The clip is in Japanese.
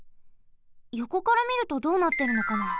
よこからみるとどうなってるのかな。